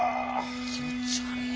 気持ち悪い。